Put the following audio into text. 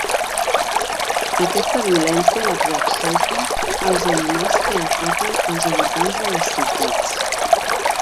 Aquesta violència l'exerceixen els animals que ataquen els habitants de les ciutats.